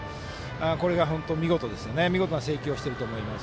これが本当に見事な制球をしていると思います。